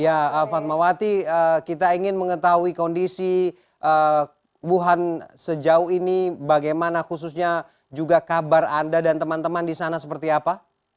ya fatmawati kita ingin mengetahui kondisi wuhan sejauh ini bagaimana khususnya juga kabar anda dan teman teman di sana seperti apa